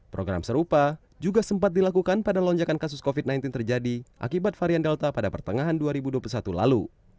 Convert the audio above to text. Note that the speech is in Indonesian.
program serupa juga sempat dilakukan pada lonjakan kasus covid sembilan belas terjadi akibat varian delta pada pertengahan dua ribu dua puluh satu lalu